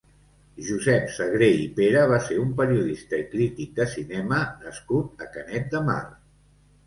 Josep Sagré i Pera va ser un periodista i crític de cinema nascut a Canet de Mar.